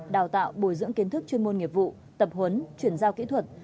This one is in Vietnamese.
đào tạo bồi dưỡng kiến thức chuyên môn nghiệp vụ tập huấn chuyển giao kỹ thuật